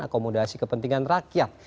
akomodasi kepentingan rakyat